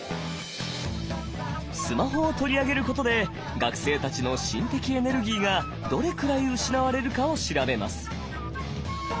スマホを取り上げることで学生たちの心的エネルギーがどれくらい失われるかを調べます。